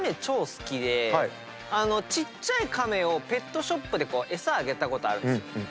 超好きでちっちゃいカメにペットショップでエサあげたことあるんですよ。